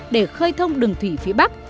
để khơi thông đường thủy phía bắc